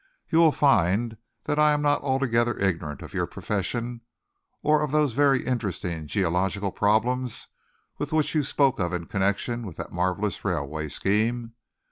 You will find that I am not altogether ignorant of your profession, or of those very interesting geological problems which you spoke of in connection with that marvellous railway scheme.